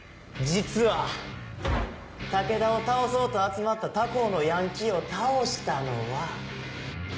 実は武田を倒そうと集まった他校のヤンキーを倒したのは。